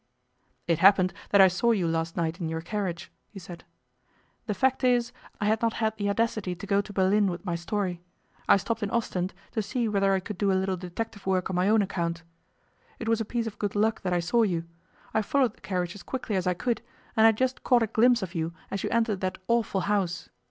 'It happened that I saw you last night in your carriage,' he said. 'The fact is, I had not had the audacity to go to Berlin with my story. I stopped in Ostend to see whether I could do a little detective work on my own account. It was a piece of good luck that I saw you. I followed the carriage as quickly as I could, and I just caught a glimpse of you as you entered that awful house.